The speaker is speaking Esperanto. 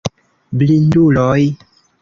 Blinduloj!